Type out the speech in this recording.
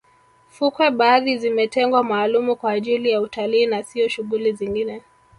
fukwe baadhi zimetengwa maalumu kwa ajili ya utalii na siyo shughuli zingine